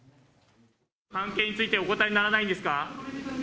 関係についてお答えにならないんですか？